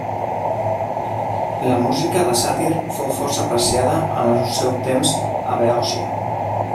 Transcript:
La música de Sàtir fou força apreciada en el seu temps a Beòcia.